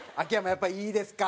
やっぱりいいですか？